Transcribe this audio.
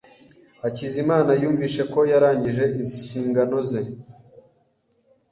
Hakizimana yumvise ko yarangije inshingano ze.